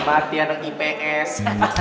hormat ya anak ips